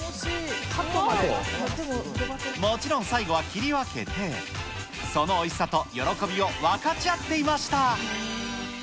もちろん最後は切り分けて、そのおいしさと喜びを分かち合っていました。